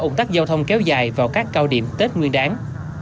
ủng tắc giao thông kéo dài vào các cao điểm tết nguyên đáng